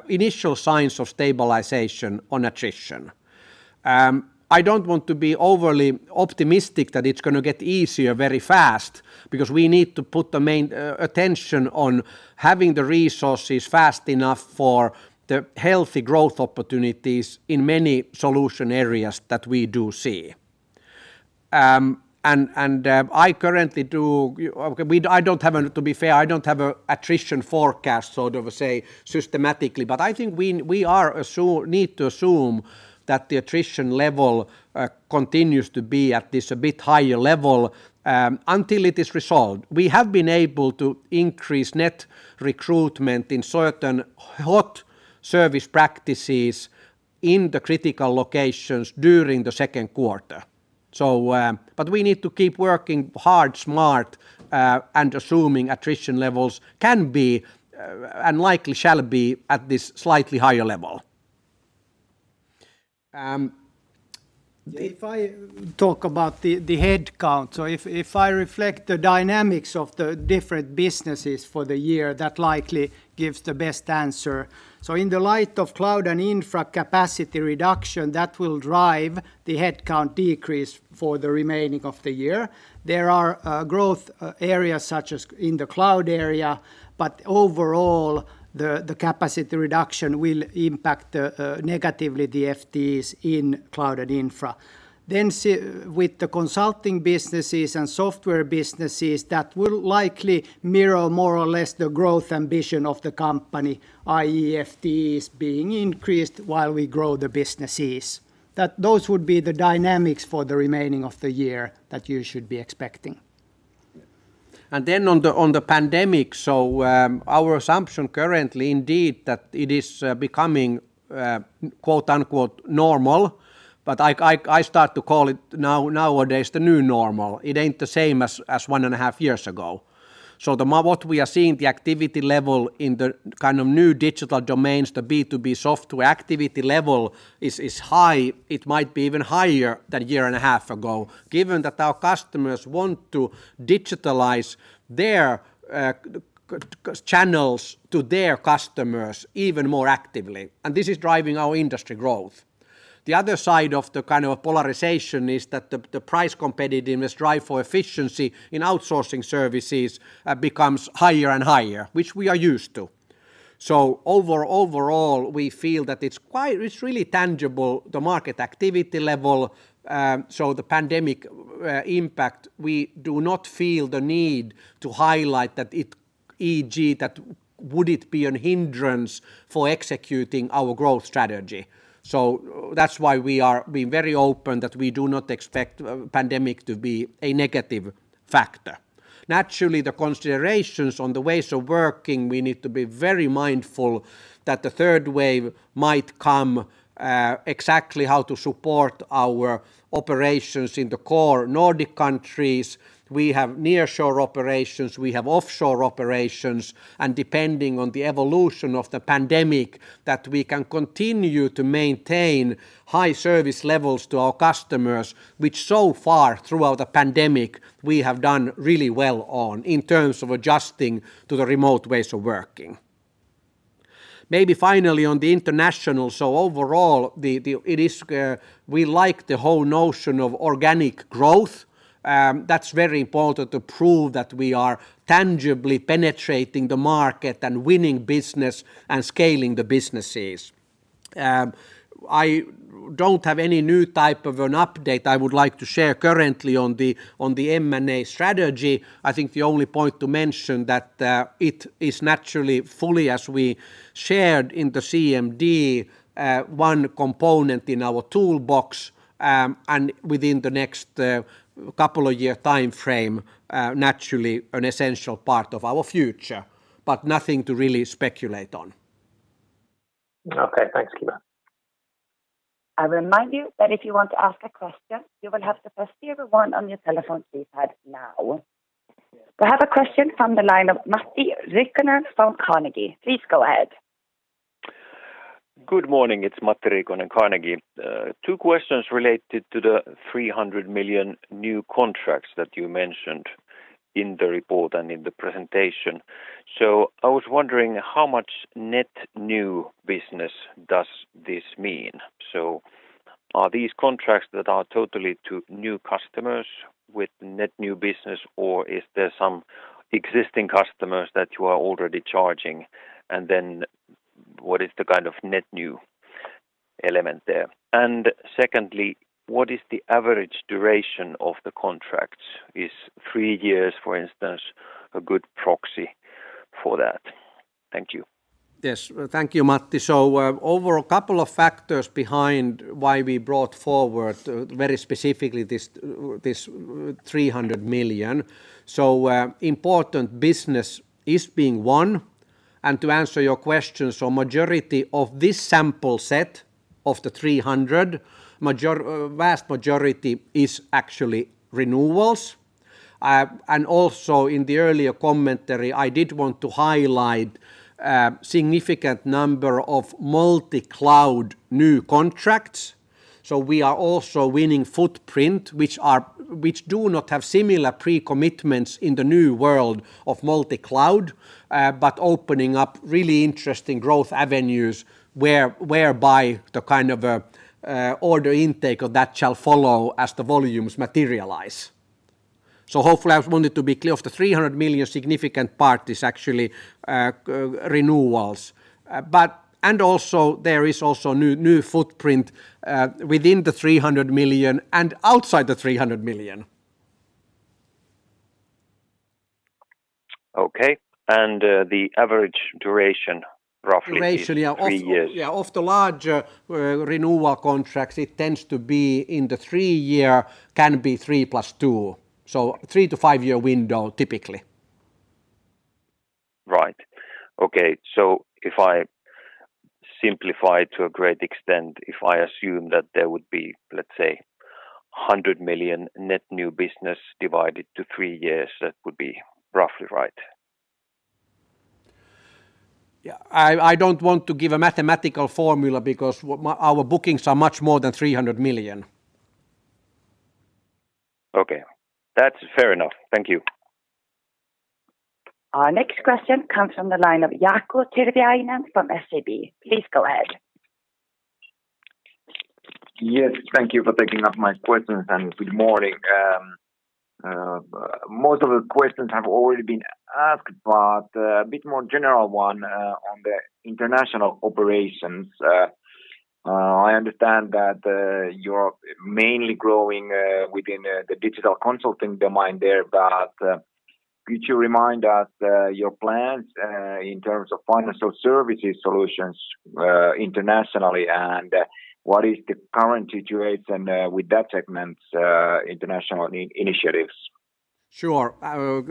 [SPEAKER 2] initial signs of stabilization on attrition. I don't want to be overly optimistic that it's going to get easier very fast because we need to put the main attention on having the resources fast enough for the healthy growth opportunities in many solution areas that we do see. To be fair, I don't have attrition forecast so to say systematically, but I think we need to assume that the attrition level continues to be at this a bit higher level until it is resolved. We have been able to increase net recruitment in certain hot service practices in the critical locations during the second quarter. We need to keep working hard, smart and assuming attrition levels can be and likely shall be at this slightly higher level.
[SPEAKER 3] If I talk about the headcount. If I reflect the dynamics of the different businesses for the year, that likely gives the best answer. In the light of cloud and infra capacity reduction, that will drive the headcount decrease for the remaining of the year. There are growth areas such as in the cloud area, but overall the capacity reduction will impact negatively the FTEs in cloud and infra. With the consulting businesses and software businesses, that will likely mirror more or less the growth ambition of the company, i.e., FTEs is being increased while we grow the businesses. Those would be the dynamics for the remaining of the year that you should be expecting.
[SPEAKER 2] On the pandemic. Our assumption currently indeed that it is becoming "normal," but I start to call it nowadays the new normal. It ain't the same as one and a half years ago. What we are seeing, the activity level in the kind of new digital domains, the B2B software activity level is high. It might be even higher than one and a half years ago. Given that our customers want to digitalize their channels to their customers even more actively, and this is driving our industry growth. The other side of the kind of polarization is that the price competitiveness drive for efficiency in outsourcing services becomes higher and higher, which we are used to. Overall, we feel that it's really tangible, the market activity level. The pandemic impact, we do not feel the need to highlight that it would be a hindrance for executing our growth strategy. That's why we are being very open that we do not expect pandemic to be a negative factor. Naturally, the considerations on the ways of working, we need to be very mindful that the third wave might come exactly how to support our operations in the core Nordic countries. We have nearshore operations, we have offshore operations, and depending on the evolution of the pandemic, that we can continue to maintain high service levels to our customers, which so far throughout the pandemic we have done really well on in terms of adjusting to the remote ways of working. Maybe finally on the international, overall we like the whole notion of organic growth. That's very important to prove that we are tangibly penetrating the market and winning business and scaling the businesses. I don't have any new type of an update I would like to share currently on the M&A strategy. I think the only point to mention that it is naturally fully, as we shared in the CMD one component in our toolbox and within the next couple of year timeframe naturally an essential part of our future, but nothing to really speculate on.
[SPEAKER 9] Okay, thanks, Kimmo.
[SPEAKER 4] I remind you that if you want to ask a question, you will have to press the number one on your telephone keypad now. We have a question from the line of Matti Riikonen from Carnegie. Please go ahead.
[SPEAKER 10] Good morning. It's Matti Riikonen, Carnegie. Two questions related to the 300 million new contracts that you mentioned in the report and in the presentation. I was wondering how much net new business does this mean? Are these contracts that are totally to new customers with net new business, or is there some existing customers that you are already charging? What is the kind of net new element there? Secondly, what is the average duration of the contracts? Is three years, for instance, a good proxy for that? Thank you.
[SPEAKER 2] Yes. Thank you, Matti. Overall, couple of factors behind why we brought forward very specifically this 300 million. Important business is being won. To answer your question, majority of this sample set of the 300 million, vast majority is actually renewals. Also in the earlier commentary, I did want to highlight significant number of multi-cloud new contracts. We are also winning footprint, which do not have similar pre-commitments in the new world of multi-cloud but opening up really interesting growth avenues whereby the kind of order intake of that shall follow as the volumes materialize. Hopefully I wanted to be clear, of the 300 million, significant part is actually renewals. Also there is also new footprint within the 300 million and outside the 300 million.
[SPEAKER 10] Okay. The average duration roughly is three years.
[SPEAKER 2] Yeah, of the larger renewal contracts, it tends to be in the three-year, can be three plus two. three- to five-year window typically.
[SPEAKER 10] Right. Okay. If I simplify to a great extent, if I assume that there would be, let's say, 100 million net new business divided to three years, that would be roughly, right?
[SPEAKER 2] Yeah. I don't want to give a mathematical formula because our bookings are much more than 300 million.
[SPEAKER 10] Okay. That's fair enough. Thank you.
[SPEAKER 4] Our next question comes from the line of Jaakko Tyrväinen from SEB. Please go ahead.
[SPEAKER 11] Yes, thank you for taking up my questions, and good morning. Most of the questions have already been asked. A bit more general one on the international operations. I understand that you're mainly growing within the Digital Consulting domain there. Could you remind us your plans in terms of Financial Services solutions internationally, and what is the current situation with that segment's international initiatives?
[SPEAKER 2] Sure.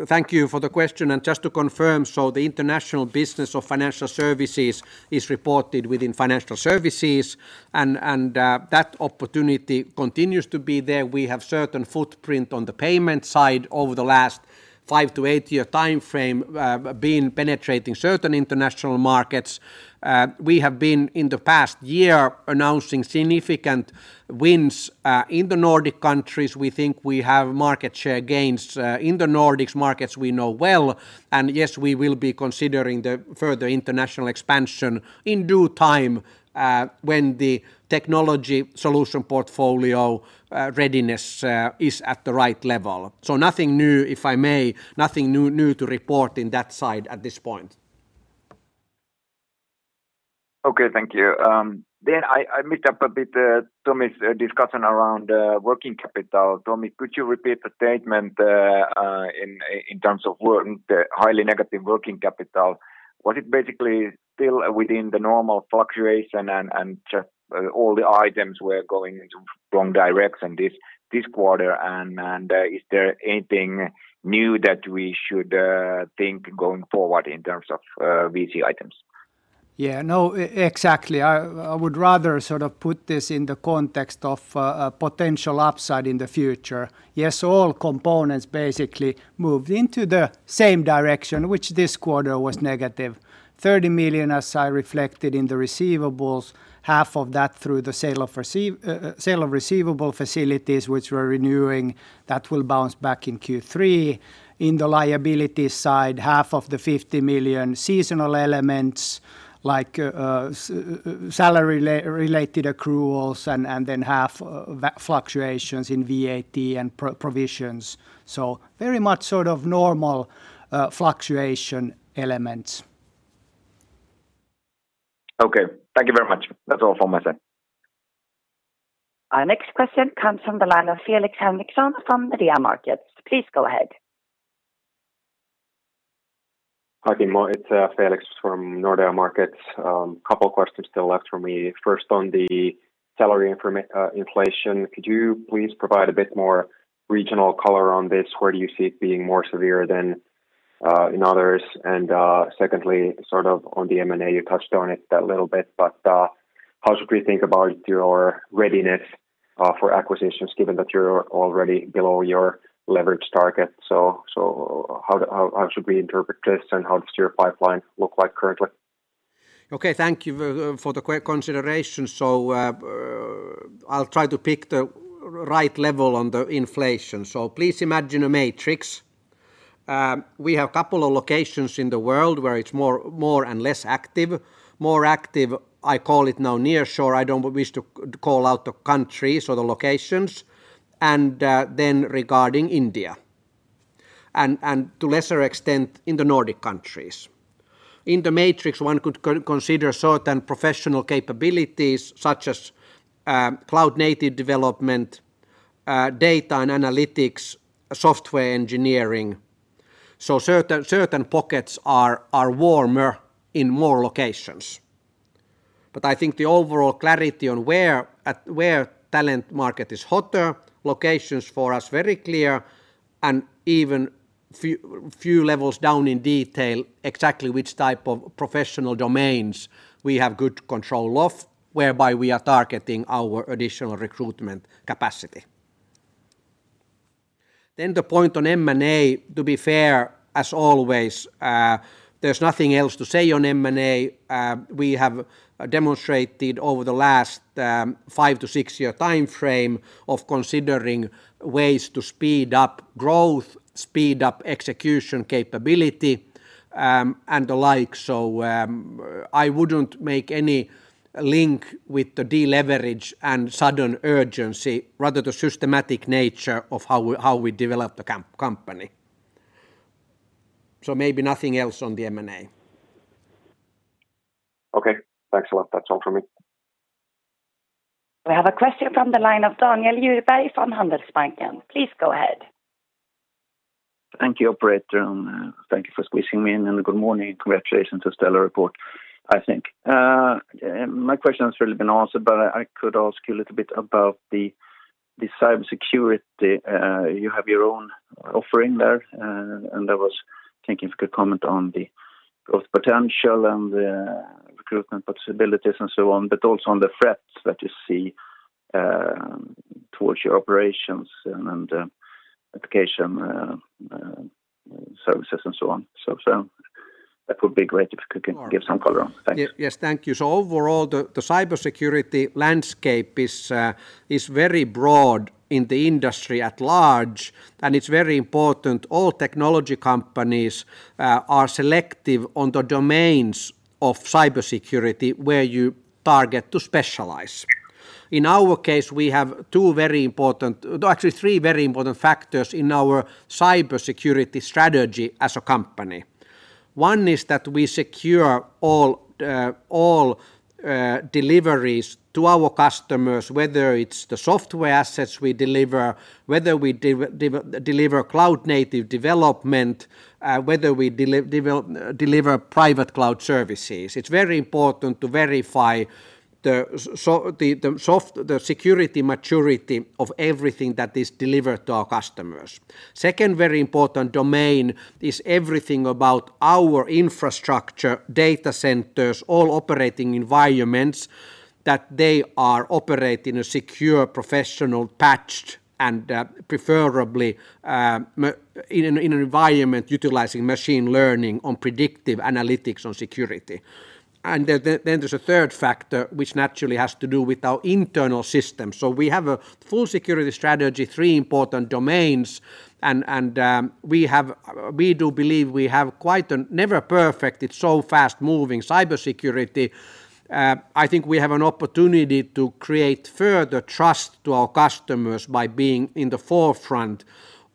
[SPEAKER 2] Thank you for the question. Just to confirm, the international business of Financial Services is reported within Financial Services. That opportunity continues to be there. We have certain footprint on the payment side over the last five to eight-year timeframe being penetrating certain international markets. We have been, in the past year, announcing significant wins in the Nordic countries. We think we have market share gains in the Nordics markets we know well. Yes, we will be considering the further international expansion in due time when the technology solution portfolio readiness is at the right level. Nothing new, if I may, nothing new to report in that side at this point.
[SPEAKER 11] Okay. Thank you. I mixed up a bit Tomi's discussion around working capital. Tomi, could you repeat the statement in terms of the highly negative working capital? Was it basically still within the normal fluctuation and just all the items were going into wrong direction this quarter? Is there anything new that we should think going forward in terms of WC items?
[SPEAKER 3] Exactly. I would rather put this in the context of a potential upside in the future. All components basically moved into the same direction, which this quarter was negative. 30 million as I reflected in the receivables, half of that through the sale of receivable facilities which we're renewing, that will bounce back in Q3. In the liability side, half of the 50 million seasonal elements like salary-related accruals, half fluctuations in VAT and provisions. Very much normal fluctuation elements.
[SPEAKER 11] Okay. Thank you very much. That's all from my side.
[SPEAKER 4] Our next question comes from the line of Felix Henriksson from Nordea Markets. Please go ahead.
[SPEAKER 12] Hi, Kimmo. It's Felix from Nordea Markets. Couple of questions still left for me. First, on the salary inflation, could you please provide a bit more regional color on this? Where do you see it being more severe than in others? Secondly, on the M&A, you touched on it a little bit, but how should we think about your readiness for acquisitions given that you're already below your leverage target? How should we interpret this, and how does your pipeline look like currently?
[SPEAKER 2] Okay. Thank you for the consideration. I'll try to pick the right level on the inflation. Please imagine a matrix. We have couple of locations in the world where it's more and less active. More active, I call it now nearshore. I don't wish to call out the countries or the locations. Regarding India and to lesser extent, in the Nordic countries. In the matrix, one could consider certain professional capabilities such as cloud-native development, data and analytics, software engineering. Certain pockets are warmer in more locations. I think the overall clarity on where talent market is hotter, locations for us very clear and even few levels down in detail exactly which type of professional domains we have good control of, whereby we are targeting our additional recruitment capacity.
[SPEAKER 3] The point on M&A, to be fair, as always there's nothing else to say on M&A. We have demonstrated over the last five to six-year timeframe of considering ways to speed up growth, speed up execution capability and the like. I wouldn't make any link with the deleverage and sudden urgency, rather the systematic nature of how we develop the company. Maybe nothing else on the M&A.
[SPEAKER 12] Okay. Thanks a lot. That's all from me.
[SPEAKER 4] We have a question from the line of Daniel Djurberg from Handelsbanken. Please go ahead.
[SPEAKER 13] Thank you, operator. Thank you for squeezing me in and good morning. Congratulations to a stellar report, I think. My question has really been answered. I could ask you a little bit about the cybersecurity. You have your own offering there. I was thinking if you could comment on the growth potential and the recruitment possibilities and so on. Also, on the threats that you see towards your operations and application services and so on. That would be great if you could give some color on it. Thanks.
[SPEAKER 2] Yes. Thank you. Overall, the cybersecurity landscape is very broad in the industry at large, and it's very important all technology companies are selective on the domains of cybersecurity where you target to specialize. In our case, we have three very important factors in our cybersecurity strategy as a company. One is that we secure all deliveries to our customers, whether it is the software assets we deliver, whether we deliver cloud-native development, whether we deliver private cloud services. It is very important to verify the security maturity of everything that is delivered to our customers. Second very important domain is everything about our infrastructure, data centers, all operating environments, that they are operating a secure, professional, patched, and preferably in an environment utilizing machine learning on predictive analytics on security. There is a third factor, which naturally has to do with our internal system. We have a full security strategy, three important domains, and we do believe we have quite a, never perfect, it is so fast-moving, cybersecurity. I think we have an opportunity to create further trust to our customers by being in the forefront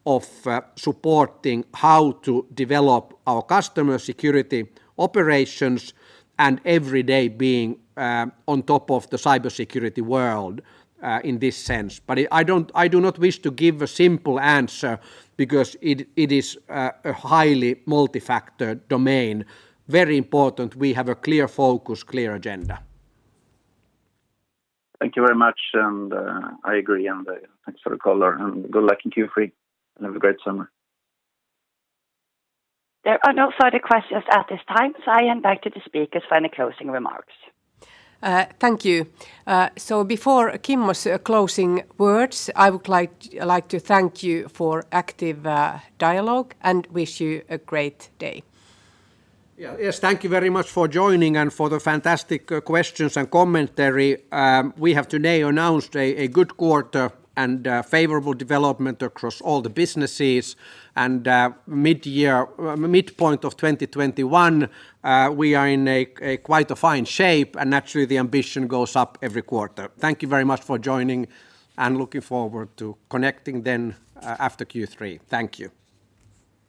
[SPEAKER 2] of supporting how to develop our customer security operations and every day being on top of the cybersecurity world in this sense. I do not wish to give a simple answer because it is a highly multi-factored domain. Very important we have a clear focus, clear agenda.
[SPEAKER 13] Thank you very much, I agree, thanks for the call, good luck in Q3, have a great summer.
[SPEAKER 4] There are no further questions at this time, so I hand back to the speakers for any closing remarks.
[SPEAKER 1] Thank you. Before Kimmo's closing words, I would like to thank you for active dialogue and wish you a great day.
[SPEAKER 2] Yes. Thank you very much for joining and for the fantastic questions and commentary. We have today announced a good quarter and favorable development across all the businesses, and mid-point of 2021, we are in a quite a fine shape, and naturally, the ambition goes up every quarter. Thank you very much for joining and looking forward to connecting then after Q3. Thank you.